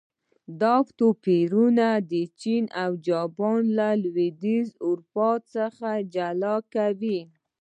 دا توپیرونه چین او جاپان له لوېدیځې اروپا څخه جلا کاوه.